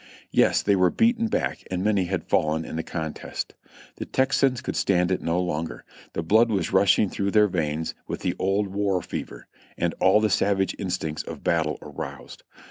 Yes, they were beaten back, and many had fallen in the contest. The Texans could stand it no longer; the blood was rushing through their veins with the old war fever, with all the savage instincts of battle aroused.